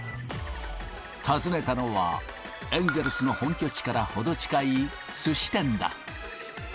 訪ねたのは、エンゼルスの本拠地から程近いすし店だ。